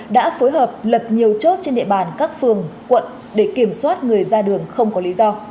đã phối hợp lập nhiều chốt trên địa bàn các phường quận để kiểm soát người ra đường không có lý do